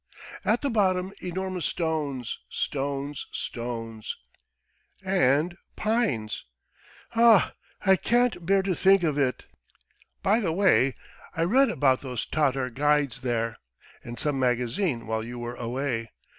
... At the bottom enormous stones, stones, stones. ... And pines. ... Ah, I can't bear to think of it!" "By the way, I read about those Tatar guides there, in some magazine while you were away